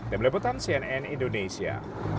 demi leputan cnn indonesia